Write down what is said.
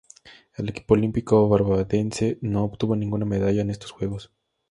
El equipo olímpico barbadense no obtuvo ninguna medalla en estos Juegos.